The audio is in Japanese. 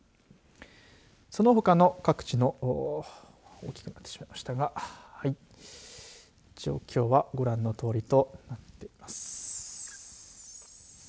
そのほかの各地の大きくなってしまいましたが状況はご覧のとおりとなっています。